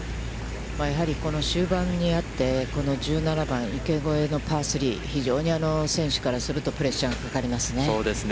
やはり終盤にあって、この１７番、池越えのパー３、非常に選手からすると、プレッシャーがかかりますね。